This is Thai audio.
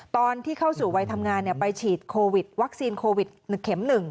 ตอนที่เข้าสู่วัยทำงานไปฉีดโควิดวัคซีนโควิดเข็ม๑